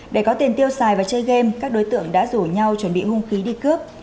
để có tiền tiêu xài và chơi game các đối tượng đã rủ nhau chuẩn bị hung khí đi cướp